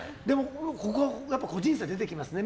ここは個人差出てきますね。